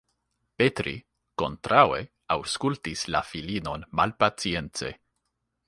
Petri, kontraŭe, aŭskultis la filinon malpacience.